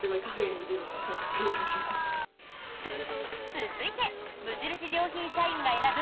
続いて無印良品社員が選ぶ